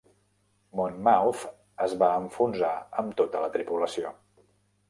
"Monmouth" es va enfonsar amb tota la tripulació.